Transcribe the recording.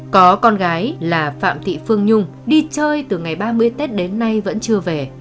có con gái là phạm thị phương nhung đi chơi từ ngày ba mươi tết đến nay vẫn chưa về